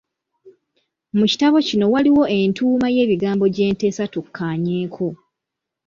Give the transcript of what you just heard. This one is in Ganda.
Mu kitabo kino waliwo entuuma y’ebigambo gye nteesa tukkaanyeeko.